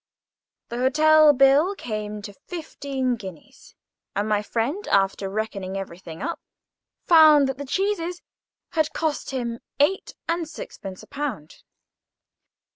The hotel bill came to fifteen guineas; and my friend, after reckoning everything up, found that the cheeses had cost him eight and sixpence a pound.